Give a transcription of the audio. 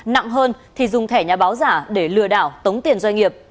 nặng hơn thì dùng thẻ nhà báo giả để lừa đảo tống tiền doanh nghiệp